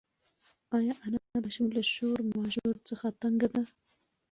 ایا انا د ماشوم له شور ماشور څخه تنگه ده؟